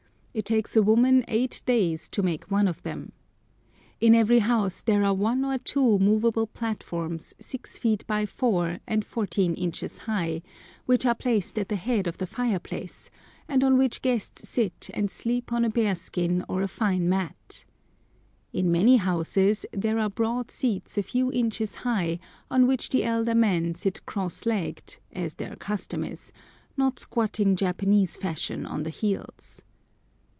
It takes a woman eight days to make one of them. In every house there are one or two movable platforms 6 feet by 4 and 14 inches high, which are placed at the head of the fireplace, and on which guests sit and sleep on a bearskin or a fine mat. In many houses there are broad seats a few inches high, on which the elder men sit cross legged, as their custom is, not squatting Japanese fashion on the heels.